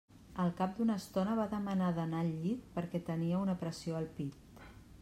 Al cap d'una estona va demanar d'anar al llit perquè tenia una pressió al pit.